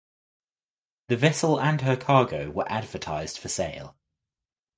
The vessel and her cargo were advertised for sale.